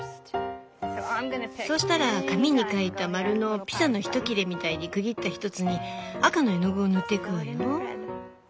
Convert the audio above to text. そうしたら紙に描いたマルのピザの１切れみたいに区切った１つに赤の絵の具を塗っていくわよ。